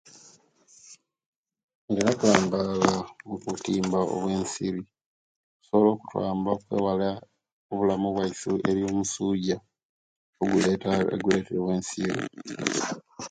Nina okulambala mubutimba bwensiri busobola okutwamba okwewala obulamu bwaisu erio omusuja oguletewa ne ensiri